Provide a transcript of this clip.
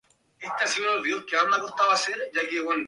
Pasó mucho tiempo junto a su padre.